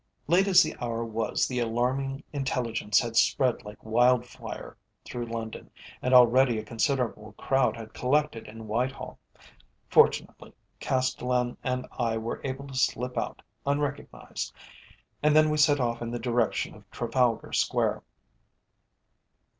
Late as the hour was the alarming intelligence had spread like wildfire through London, and already a considerable crowd had collected in Whitehall. Fortunately, Castellan and I were able to slip out unrecognised, and then we set off in the direction of Trafalgar Square.